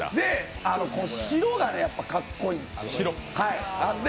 白がかっこいいんですよね。